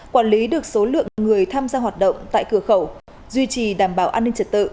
quản lý được số lượng người tham gia hoạt động tại cửa khẩu duy trì đảm bảo an ninh trật tự